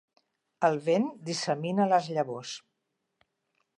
El vent dissemina les llavors.